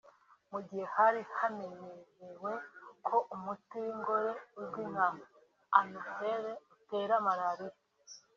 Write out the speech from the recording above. Mu gihe hari hameneyerewe ko umubu w’ingore uzwi nka anophere utera Malariya